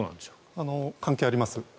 関係あります。